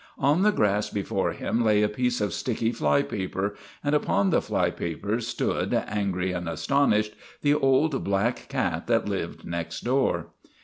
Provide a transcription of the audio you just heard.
On the grass before him lay a piece of sticky fly paper, and upon the fly paper stood, angry and astonished, the old black cat that lived next door.